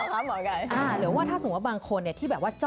ครับลาสีจับค่ะ